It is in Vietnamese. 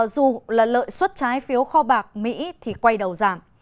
dù là lợi suất trái phiếu kho bạc mỹ thì quay đầu giảm